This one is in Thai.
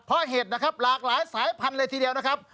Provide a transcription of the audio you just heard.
เพราะเห็ดนะครับหลากหลายสายพันธุ์เลยทีเดียวนะครับ